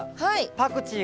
パクチー。